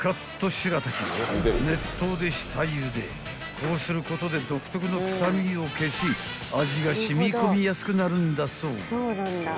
［こうすることで独特の臭みを消し味が染み込みやすくなるんだそう］